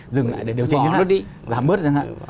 đừng để điều trị như thế này